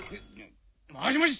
もしもし！